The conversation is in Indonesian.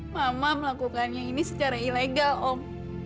mama melakukannya ini secara ilegal om